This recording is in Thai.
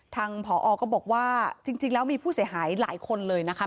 ทางผอก็บอกว่าจริงแล้วมีผู้เสียหายหลายคนเลยนะคะ